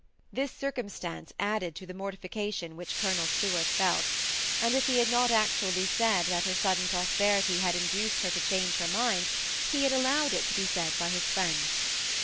This cir cumstance added to the mortification which Colonel Stuart felt; and if he had not actually said that her sudden prosperity had induced her to change her mind, he had allowed it to be said by his friends.